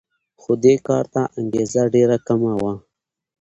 خو دې کار ته انګېزه ډېره کمه وه